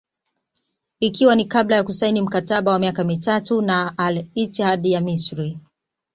Ikiwa ni kabla ya kusaini mkataba wa miaka mitatu na Al Ittihad ya Misri